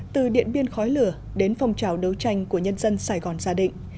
từ điện biên khói lửa đến phong trào đấu tranh của nhân dân sài gòn gia đình